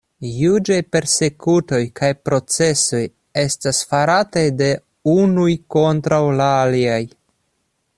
Juĝaj persekutoj kaj procesoj estas farataj de unuj kontraŭ la aliaj.